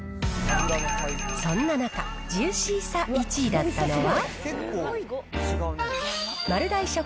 そんな中、ジューシーさ１位だったのは。